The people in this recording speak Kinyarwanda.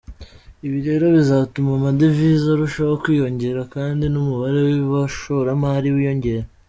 Ibi rero bizatuma amadevise arushaho kwiyongera, kandi n’umubare w’abashoramari wiyongere’’.